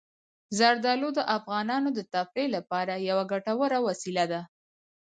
زردالو د افغانانو د تفریح لپاره یوه ګټوره وسیله ده.